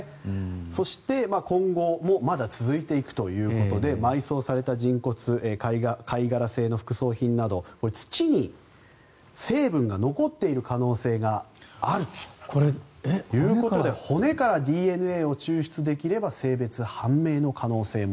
そして、今後もまだ続いていくということで埋葬された人骨貝殻製の副葬品など土に成分が残っている可能性があるということで骨からＤＮＡを抽出できれば性別判明の可能性も。